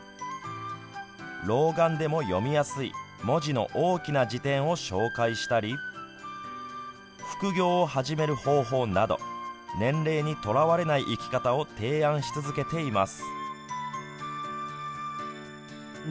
老眼でも読みやすい文字の大きな辞典を紹介したり副業を始める方法など年齢にとらわれない生き方を提案し続けています。